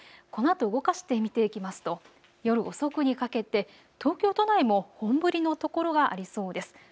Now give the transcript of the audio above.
このあと動かして見ていきますと夜遅くにかけて東京都内も本降りの所がありそうです。